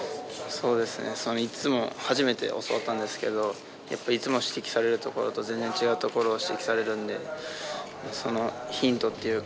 そうですね初めて教わったんですけどいつも指摘されるところと全然違うところを指摘されるんでヒントっていうか